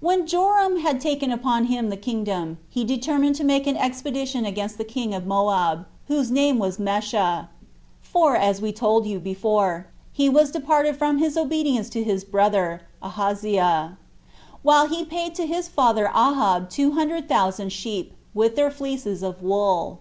1. When Joram had taken upon him the kingdom, he determined to make an expedition against the king of Moab, whose name was Mesha; for, as we told you before, he was departed from his obedience to his brother [Ahaziah], while he paid to his father Ahab two hundred thousand sheep, with their fleeces of wool.